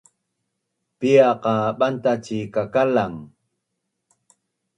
Piaq qa bantac ci kakalang?